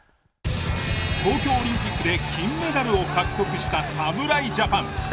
東京オリンピックで金メダルを獲得した侍ジャパン。